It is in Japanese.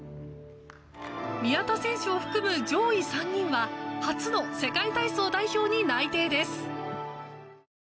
宮田選手を含む上位３人は初の世界体操代表に内定です。